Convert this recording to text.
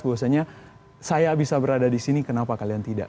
bahwasanya saya bisa berada di sini kenapa kalian tidak